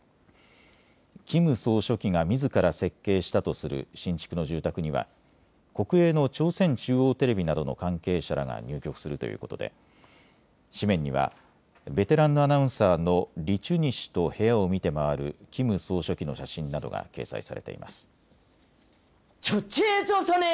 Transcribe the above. キム総書記がみずから設計したとする新築の住宅には国営の朝鮮中央テレビなどの関係者らが入居するということで紙面にはベテランのアナウンサーのリ・チュニ氏と部屋を見て回るキム総書記の写真などが掲載されています。